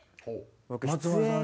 松丸さん。